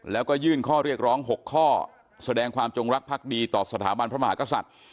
แล้วก็ยื่นข้อเรียกร้อง๖ข้อแสดงความจงรักภักดีต่อสถาบันพระมหากษัตริย์